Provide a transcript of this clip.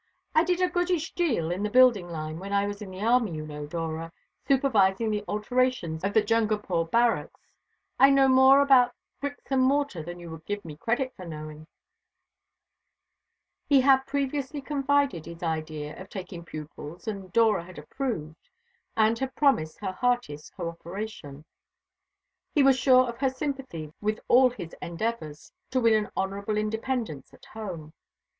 I did a goodish deal in the building line when I was in the army, you know, Dora, supervising the alterations of the Jungapore barracks. I know more about bricks and mortar than you would give me credit for knowing." He had previously confided his idea of taking pupils, and Dora had approved, and had promised her heartiest cooperation. He was sure of her sympathy with all his endeavours to win an honourable independence at home.